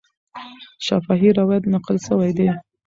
شفاهي روایت نقل سوی دی.